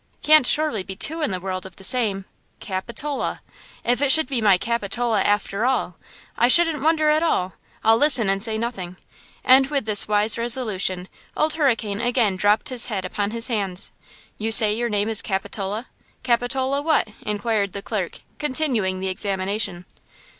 Can't surely be two in the world of the same! Cap it ola!–if it should be my Capitola, after all! I shouldn't wonder at all! I'll listen and say nothing." And with this wise resolution, Old Hurricane again dropped his head upon his hands. "You say your name is Capitola–Capitola what?" inquired the clerk, continuing the examination.